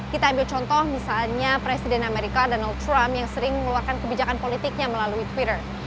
kita ambil contoh misalnya presiden amerika donald trump yang sering mengeluarkan kebijakan politiknya melalui twitter